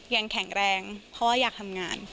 ยังแข็งแรงเพราะว่าอยากทำงาน